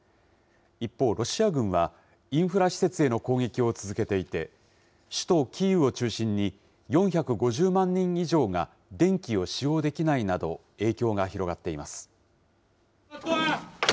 一方、ロシア軍は、インフラ施設への攻撃を続けていて、首都キーウを中心に、４５０万人以上が電気を使用できないなど、影響が広がっています。